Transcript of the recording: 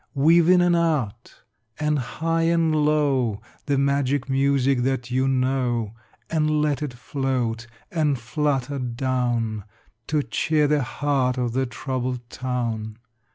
Weave in and out, and high and low, The magic music that you know, And let it float and flutter down To cheer the heart of the troubled town.